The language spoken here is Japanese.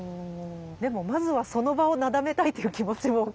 でもまずはその場をなだめたいという気持ちも大きいですよね？